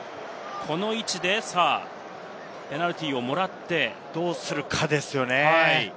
この位置でペナルティーをもらってどうするかですね。